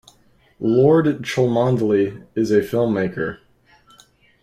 Lord Cholmondeley is a filmmaker.